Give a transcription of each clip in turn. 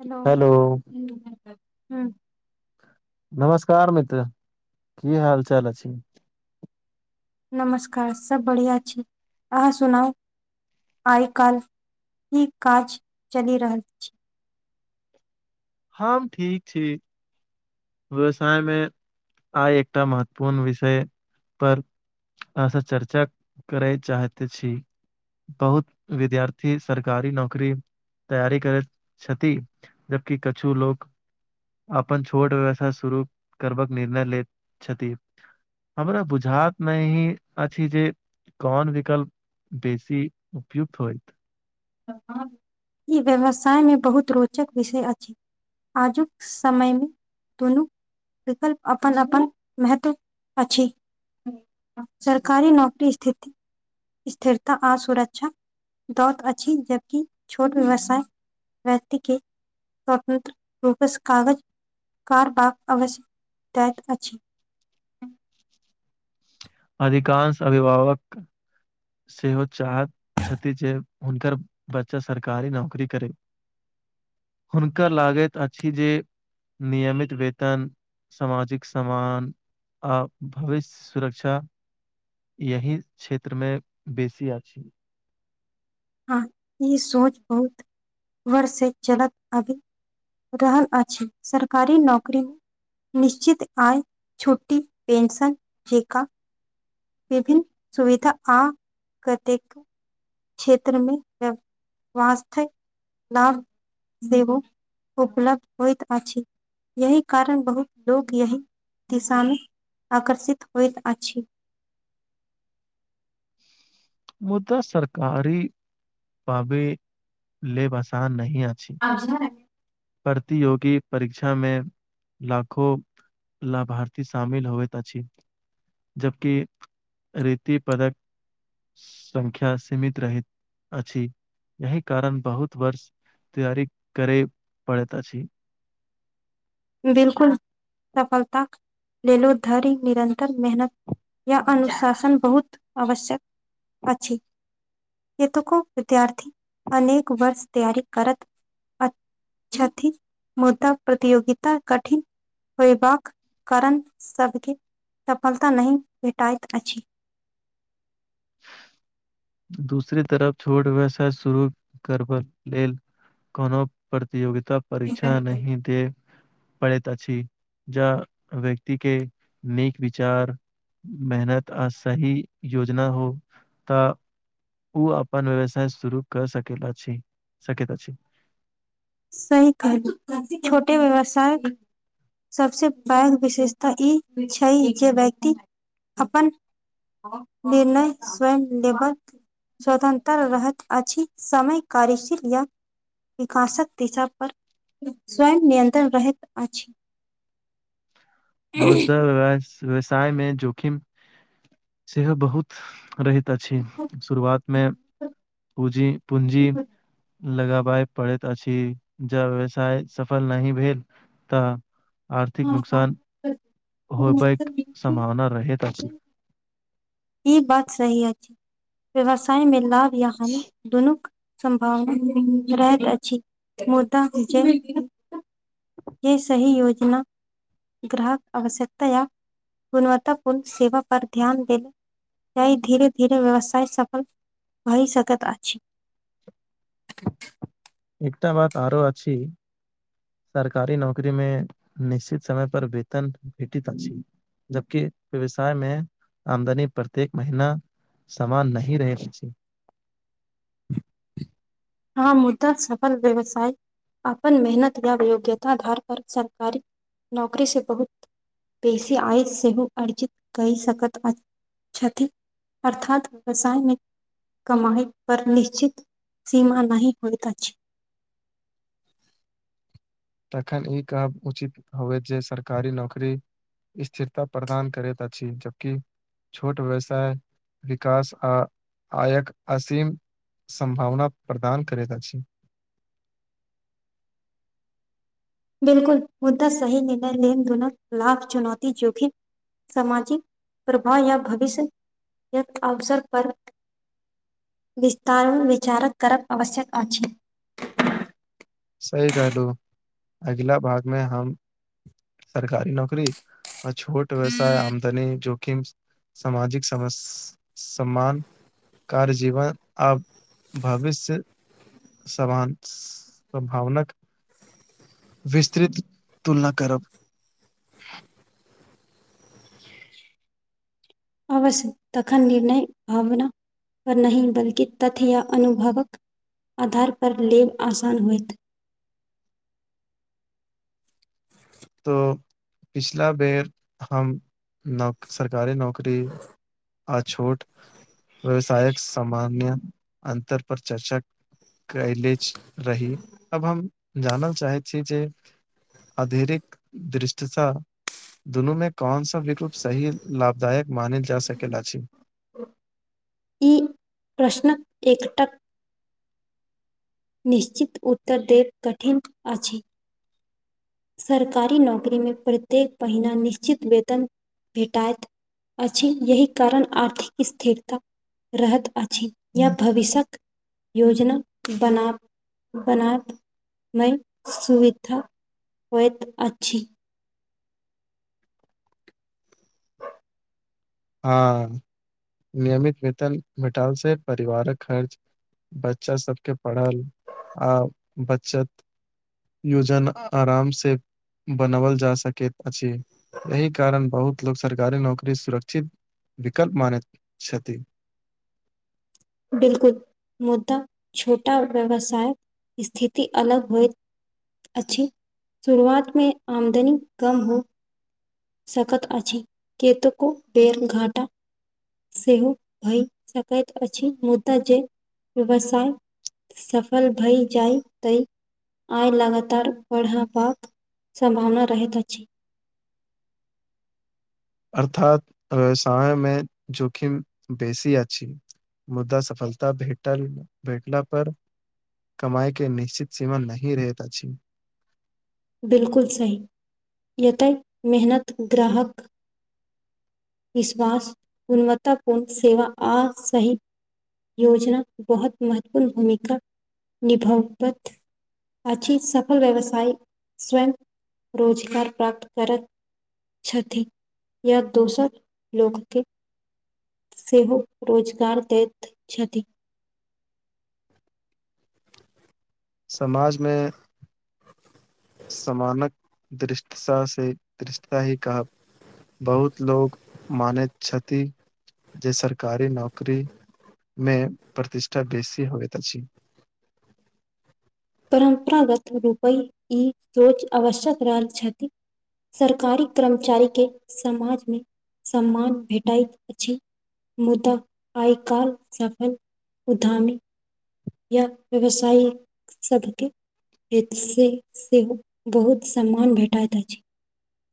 Hello हं हं नमस्कार मित्र की हाल चाल अछि नमस्कार सब बढ़िआँ छी अहाँ सुनाउ आइ काल्हि ई काज चलि रहल छी हम ठीक छी व्यवसाय में आइ एकटा महत्वपूर्ण विषय पर अह चर्चा करै चाहते छी बहुत विद्यार्थी सरकारी नौकरी। तैयार करैत छथि जबकि कछु लोक अपन छोट व्यवस शुरू करबाक निर्णय लैत छथि। हमरा बुझात मे ही अछि जे। कोन विकल्प बेसी उपयुक्त होयत। ई व्यवसायमे बहुत रोचक विषय अछि। आजुक समयमे दुनू विकल्प अपन अपन महत्व अछि सरकारी नौकरी स्थिति। स्थिरता, आसुरक्षा बहुत। जबकि छोट व्यवसाय व्यक्ति के। स्वतंत्र रूपसँ कागज कार बाग अवश्यक दैत अछि। अधिकाश अभिभावक सेहो चाहत कऽ जे हुनकर बच्चा सरकारी नौकरी करे हुनका लागैत अछि जे नियमित वेतन सामाजिक सम्मान। आ, भविष्य सुरक्षा। यही क्षेत्रमे बेसी अछि। हँ ई सोच बहुत वर्षसँ चलत अभी रहल अछि, सरकारी नौकरी निश्चित आ छुटी पेशन जेका विभिन्न सुविधा आ कतेक। क्षेत्रमे वथ लाभ। देवो उपलब्ध होइत अछि। यही कारण बहुत लोग यही दिशा मे आकर्षित होइत अछि। मुदा सरकारी लेब आसान नहि अछि झ [unintelligible] प्रतियोगी परीक्षामे लाखो लाभारती शामिल होइ तऽ छी जबकि रीति पदक। संख्या सीमित रहैत अछि, यही कारण बहुत वर्ष तैयरी करे पड़ तऽ छी बिल्कूल सफलता लेलो धरि निरन्तर मेहनत या अनुशासन बहुत आवश्यक। अछि हतुक विद्यार्थी अनेक वर्ष तैयरी करतऽ मुद्दा प्रतियोगिता कठिन होयबाक कारण सभके सफलता नहि भेटैत अछि दूसरी तरफ छोट व्यवसाय शुरू करब लेलऽ कोनो प्रतियोगिता परीक्षा नहि दे। पढ़ैत अछि के व्यक्ति के नीक विचार मेहनत आ सही योजना हो। तऽ ओ अपन व्यवसाय शुरू कार सक अछि सकैत अछि सही कहलूँ छोटे व्यवसाय सभसँ पैघ विशेषता ई छै जे व्यक्ति अपन निर्णय स्वयं लेबर स्वतंत्र रहैत अछि समय कार्यशील या विकासक दिशा पर स्वयं नियंत्रण रहैत अछि मुदा व्यवसाय में जोखिम सेहो बहुत रहहि अछि शुरुआत में अछि पूजी पूंजी लगाबए पड़ैत अछि जब व्यवसाय सफल नहि भेल तऽ आर्थिक नुकसान ह [unintelligible] हो बक संभावना रहत अी ई बात सही अछि व्यवसाय में लाभ या हानि दुनूक सम्भावना रहल अछि मुदा य सही योजना ग्राहक आवश्यकता या गुणवत्तपूर्ण सेवा पर ध्यान देल तऽ धीरे धीरे व्यवसाय सफल भइ सकैत अछि [inaudible] एकटा बात आरोआछी सरकारी नौकरी में निश्चित समय पर वेतन भेटित अछि जबकि व्यवसाय में आमदनी प्रत्येक महिना सामान नय रहे पछी हँ मुद्दा सफल व्यवसाय अपन मेहनत या य योग्यता आधार पर सरकारी नौकरी से बहुत बेसी आयत सेहो अर्जित क सकत कति अर्थात व्यवसायिक कमाई पर निश्चित सीमा नय होइत छै तखन ई कहब उचित होय जे सरकारी नौकरी स्थिरता प्रदान करैत अछि जबकि छोट व्यवसाय विकास आ आयक असीम सम्भावना प्रदान करैत अछि बिलकुल मुद्दा सही निर्णय लेन देनक खाफ चुनौती जोखि सामाजिक प्रभाव या भविष्यके अवसर पर विस्तार विचारक करब आवश्यक अछि सही कहलहु अगिला भाग मे हम सरकारी नौकरी आ छोट व्यवसाय आमदनी जोखिम सामाजिक सम सम्मान कार्य जीवन आब भविष्य समानभावन विस्तृत तुलना करब अवश्य तखन निर्णय भावना पर नहि बल्कि तथ्य या अनुभवक आधार परर लेब आसान होयत तो पिछला बेर हम न सरकारी नौकरी आ छोट व्यवसायक सामान्य अन्तर पर चर्चा कयले रही अब हम जानल चाहै छी जे अधरिक दृष्टिता दुनूमें कौन सा विकल्प सही लाभदायक मानल जा सकेलाछि ई प्रश्नक एकटक निश्चित उत्तर देब कठिन अछि सरकारी नौकरी में प्रत्येक महिना निश्चित वेतन भेटात अछि यही कारण आर्थिक स्थिरता रहैत अछि या भविष्यक योजना बना बनात में सुविधा होयइत अछि हँ नियमित मिटाल से परिवारक खर्च बच्चा सबके पढ़ल आ बचत योजन आराम से बनाओल जा सकैत अछि एहि कारण बहुत लोग सरकारी नौकरी सुरक्ष च विकल्प म नहि छथिति [unintelligible] बिलकुल मुदा छोटा व्यवसाय स्थिति अलग होइत अच्छा शुरुआत में आमदनी कम हो सकत अछी केतक बेर घाटा सेहो भय सकैत अछि मुदा जे व्यवसाय सफल भई जाय ते आइ लगातार पढ़ पाप सम्भावना रहैत अछि अर्थात व्यवसाय में जोखिम बेसी अछि मुद्दा सफलता भेटल भेटला पर कमाइ के निश्चित सीमा नी रहेता चीन बिलकुल सह यत मेहनत ग्राहक विश्वास गुणवत्तपूर्ण सेवा आ सहित योजना बहुत महत्वपूर्ण भूमिका निभावत अछी सफल व्यवसाय स्वयं रोजगार प्रापाप्त करत छति या दोसर लोकके सेहो रोजगार दैत छथि समाज में समानक धृष्टता से धृष्टता ही कह बहुत लोग मानैत छथि जे सरकारी नौकरी में प्रतिष्ठा बेसी होइत अछि परम्परागत रूपे ई सोच आवश्यक रहल छथि सरकारी कर्मचारी के समाज में सम्मान भेटैत अछि मुदा आइ काल् सफल उधामी या व्यवसायी सबके हेत से सेहो बहुत सम्मान भेटैत अछि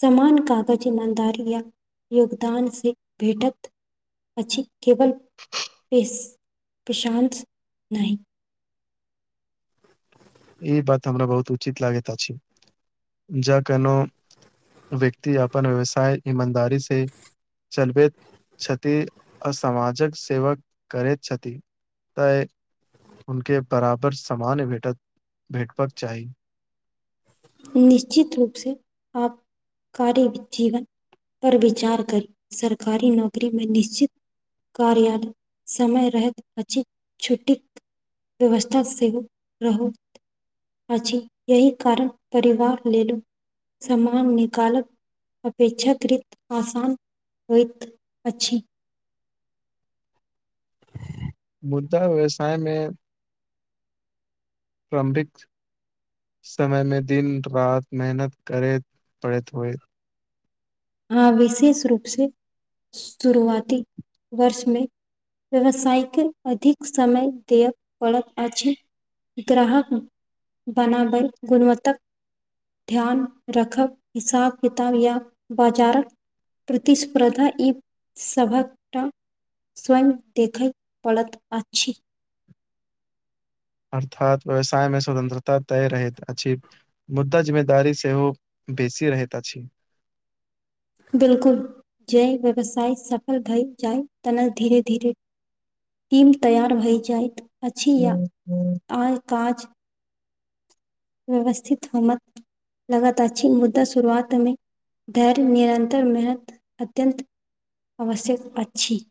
समान कागज ईमानदारी या योगदान से भेटत अ केवल प प्रशांत नहि ई बात हमरा बहुत उचित लागैत अछि ज केनो व्यक्ति अपन व्यवसाय ईमानदारी से चलबैत छथि आ समाजक सेवा करैत छथि तऽ उके बराबर सामान भेटत भेटबाक चाही निश्चित रूपसँ आप कार्य जीवन पर विचार करी सरकारी नौकरी में निश्चित कार्यालय समय रहैत अछि छुट्टी व्यवस्था सेहो रहत अछि यही कारण परिवार लेलऽ सामानिकाल अपेक्षाकृत आसान होइत अछि। मुद्दा व्यवसाय मे। प्रम्बिक्स समय मे दिन रात मेहनत करैत पड़ैत होए। ह, विशेष रूप से शुरुआती वर्षमे व्यवसायके अधिक समय देय पड़त अछि। ग्राहक बनाबै गुणवत्तकऽ। ध्यान रखब हिसाब किताब या। बाजारक प्रतिस्पर्धा ई सभकऽ स्वय देखय पड़ैत अछि अर्थात व्यवसाय मे स्वतंत्रता तय रहैत अछि। मुद्दा जिम्मेदारी सेहो बेसी रहिता अछि। बिल्कूल जे व्यवसाय सफल भए जाइ तेना धीरे धीरे टीम तैयार भऽ जाइत अछि या आ काज व्यवस्थित हो मत लगातार छीन मुद्दा शुरुआत मे धैर्य निरन्तर महत अत्यन्त आवश्यक अछि